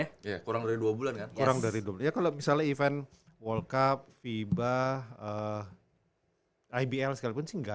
kurang dari dua bulan kan kurang dari dua bulan ya kalau misalnya event world cup fiba ibl sekalipun sih enggak